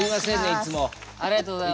いつも。